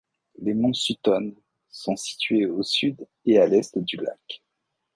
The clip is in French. Les Monts Sutton sont situés au sud et à l'est du lac.